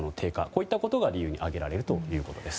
こういったことが理由に挙げられるということです。